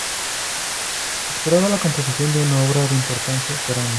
Se esperaba la composición de una obra de importancia por año.